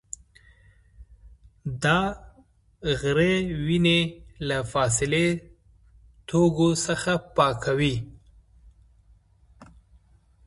دا غړي وینه له فاضله توکو څخه پاکوي.